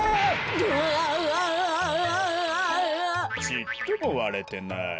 ちっともわれてない。